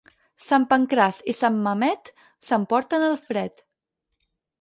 Sant Pancraç i Sant Mamet s'emporten el fred.